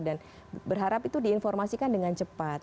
dan berharap itu diinformasikan dengan cepat